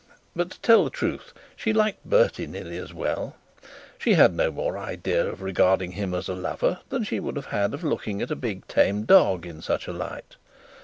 But, to tell the truth, she liked Bertie nearly as well; she had no more idea of regarding him as a lover than she would have had of looking at a big tame dog in such a light.